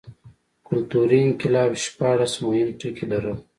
کلتوري انقلاب شپاړس مهم ټکي لرل.